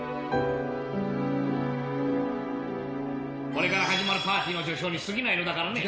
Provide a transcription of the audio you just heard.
これから始まるパーティーの序章にすぎないのだからね。